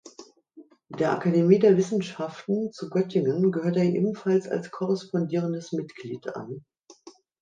Der Akademie der Wissenschaften zu Göttingen gehört er ebenfalls als korrespondierendes Mitglied an.